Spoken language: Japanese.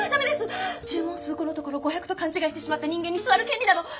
注文数５のところを５００と勘違いしてしまった人間に座る権利など！